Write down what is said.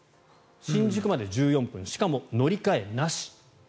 新宿まで１４分しかも乗り換えなし。